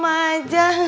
masih mau kenalan lagi